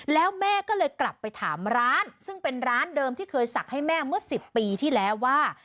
แล้วแม่ก็เลยกลับไปถามร้านซึ่งเป็นร้านเดิมที่เคยศักดิ์ให้แม่เมื่อ๑๐ปีที่แล้วว่า